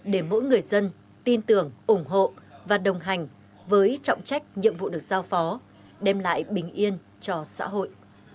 để mỗi người dân tin tưởng ủng hộ và đồng hành với trọng trách nhiệm vụ được giao phó đem lại bình yên cho xã hội